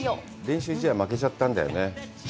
練習試合、負けちゃったんだよね。